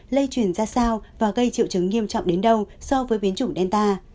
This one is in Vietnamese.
lây truyền ra sao và gây triệu chứng nghiêm trọng đến đâu so với biến chủng delta